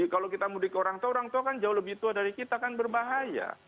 kalau kita mudik ke orang tua orang tua kan jauh lebih tua dari kita kan berbahaya